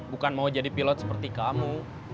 bukan mau jadi pilot seperti kamu